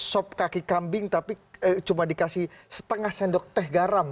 sop kaki kambing tapi cuma dikasih setengah sendok teh garam